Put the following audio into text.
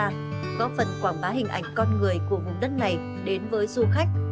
nhiều hình ảnh có phần quảng bá hình ảnh con người của vùng đất này đến với du khách